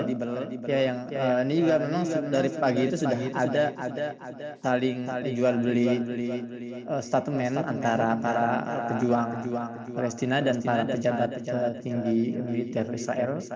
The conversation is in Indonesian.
ini juga memang dari pagi itu sudah ada saling dijual beli statement antara para pejuang palestina dan para pejabat pejabat tinggi militer israel